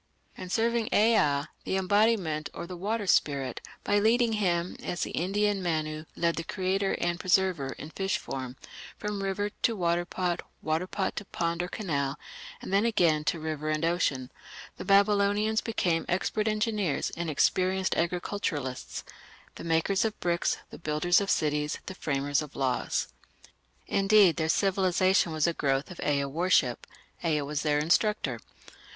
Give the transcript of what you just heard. In serving Ea, the embodiment or the water spirit, by leading him, as the Indian Manu led the Creator and "Preserver" in fish form, from river to water pot, water pot to pond or canal, and then again to river and ocean, the Babylonians became expert engineers and experienced agriculturists, the makers of bricks, the builders of cities, the framers of laws. Indeed, their civilization was a growth of Ea worship. Ea was their instructor.